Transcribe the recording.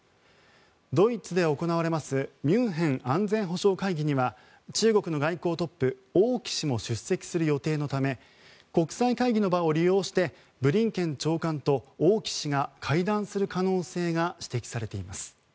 ドイツで行われるミュンヘン安全保障会議には中国の外交トップ、王毅氏も出席する予定のため国際会議の場を利用してブリンケン長官と王毅氏が会談する可能性が指摘されています。